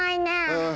うん。